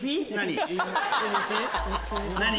何？